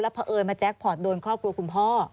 เพราะเอิญมาแจ็คพอร์ตโดนครอบครัวคุณพ่อ